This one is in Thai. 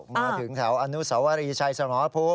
มาถึงแถวอนุสวรีชัยสมรภูมิ